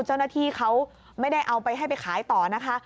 เจ้าหน้าที่เขาไม่ได้เอาไปให้ไปขายต่อนะคะ